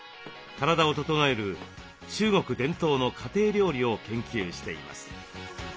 体を整える中国伝統の家庭料理を研究しています。